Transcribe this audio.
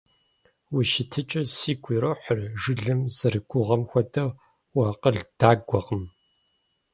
Уи щытыкӀэр сигу ирохьыр, жылэм зэрагугъэм хуэдэу уакъыл дагуэкъым.